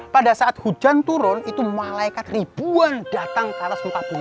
pada saat hujan turun itu malaikat ribuan datang ke atas empat puluh